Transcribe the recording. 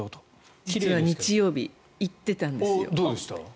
実は日曜日行っていたんですよ。